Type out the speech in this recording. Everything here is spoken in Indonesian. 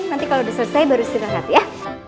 nanti kalau udah selesai baru siap siap ya